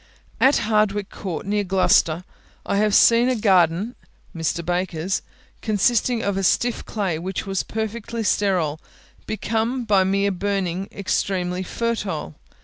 At Hardwicke Court, near Gloucester, I have seen a garden (Mr. Baker's) consisting of a stiff clay, which was perfectly sterile, become by mere burning extremely fertile.